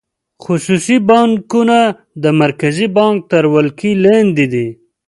خصوصي بانکونه د مرکزي بانک تر ولکې لاندې دي.